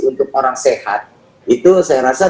untuk orang sehat itu saya rasa